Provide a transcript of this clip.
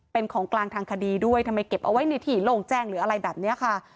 เป็นของกลางทางคดีด้วยทำไมเก็บเอาไว้ในที่โล่งแจ้งหรืออะไรแบบนี้ค่ะ